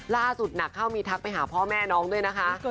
หนักเข้ามีทักไปหาพ่อแม่น้องด้วยนะคะ